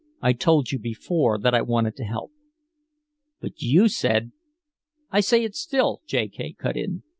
"I told you before that I wanted to help. But you said " "I say it still," J. K. cut in.